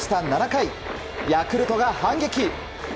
７回ヤクルトが反撃。